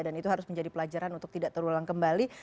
itu harus menjadi pelajaran untuk tidak terulang kembali